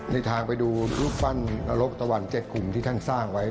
ในทางไปดูรูปปั้นนรกตะวัน๗กลุ่มที่ท่านสร้างไว้